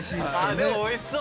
でもおいしそう。